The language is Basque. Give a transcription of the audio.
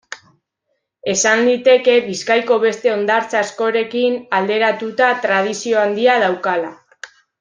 Esan liteke Bizkaiko beste hondartza askorekin alderatuta tradizio handia daukala.